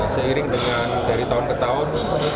seiring dengan dari tahun ke tahun